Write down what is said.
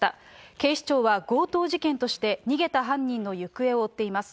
警視庁は強盗事件として、逃げた犯人の行方を追っています。